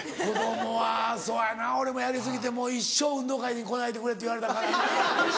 子供はそやな俺もやり過ぎてもう一生運動会に来ないでくれって言われたからな。